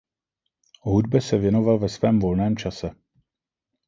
Hudbě se věnoval ve svém volném čase.